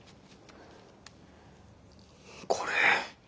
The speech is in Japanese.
これ。